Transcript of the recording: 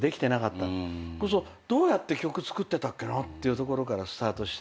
どうやって曲作ってたっけなっていうところからスタートして。